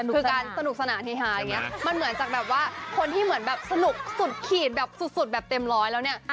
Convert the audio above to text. คือการสนุกสนานเฮฮาอย่างนี้มันเหมือนจากแบบว่าคนที่เหมือนแบบสนุกสุดขีดแบบสุดแบบเต็มร้อยแล้วเนี่ย